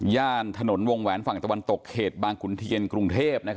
ย่านถนนวงแหวนฝั่งตะวันตกเขตบางขุนเทียนกรุงเทพ